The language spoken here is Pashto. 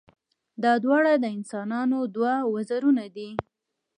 دا دواړه د انسان دوه وزرونه دي.